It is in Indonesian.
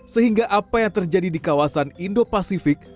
sehingga apa yang terjadi di kawasan indo pasifik